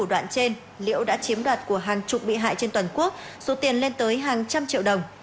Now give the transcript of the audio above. đoạn trên liễu đã chiếm đoạt của hàng chục bị hại trên toàn quốc số tiền lên tới hàng trăm triệu đồng